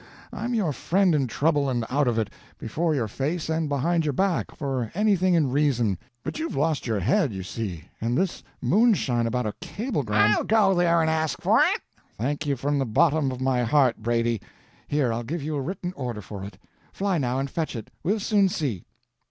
I'm your friend in trouble and out of it, before your face and behind your back, for anything in reason; but you've lost your head, you see, and this moonshine about a cablegram—" "I'll go there and ask for it!" "Thank you from the bottom of my heart, Brady. Here, I'll give you a Written order for it. Fly, now, and fetch it. We'll soon see!"